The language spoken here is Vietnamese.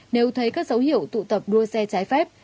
nếu thấy các dấu hiệu tụ tập đua xe trái phép